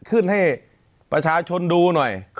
ให้ประชาชนดูหน่อย